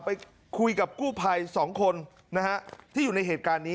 ไปคุยกับกู้ภัยสองคนนะฮะที่อยู่ในเหตุการณ์นี้